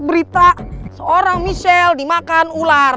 mas brita seorang michelle dimakan ular